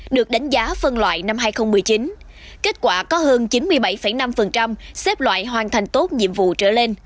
được đánh giá phân loại năm hai nghìn một mươi chín kết quả có hơn chín mươi bảy năm xếp loại hoàn thành tốt nhiệm vụ trở lên